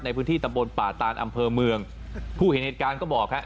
ในพื้นที่ตำบลป่าตานอำเภอเมืองผู้เห็นเหตุการณ์ก็บอกฮะ